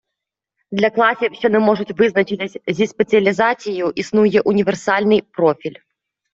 Для класів, що не можуть визначитись зі спеціалізацією, існує універсальний профіль.